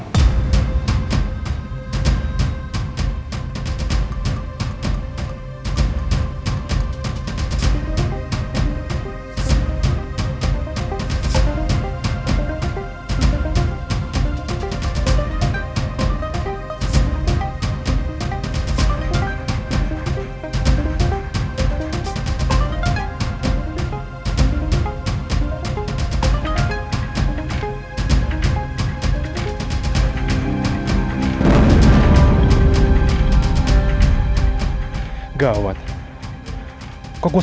tidak ada yang tahu